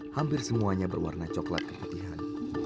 hampir semuanya berwarna coklat kepetihan